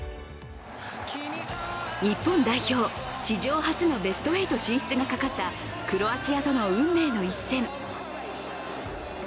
日本代表、史上初のベスト８進出がかかったクロアチアとの運命の一戦。